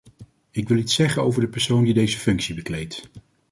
Ik wil iets zeggen over de persoon die deze functie bekleedt.